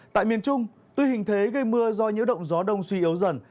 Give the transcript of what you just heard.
tại miền trung tuy hình thế gây mưa do nhiễu động gió đông suy yếu dần